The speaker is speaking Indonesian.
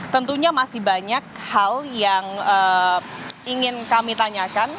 tentunya masih banyak hal yang ingin kami tanyakan